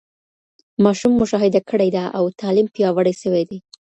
ماشوم مشاهده کړې ده او تعليم پياوړی سوی دی.